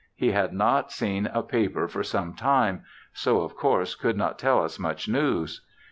He had not seen a paper for some time, so, of course, could not tell us much news.